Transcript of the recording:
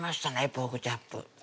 「ポークチャップ」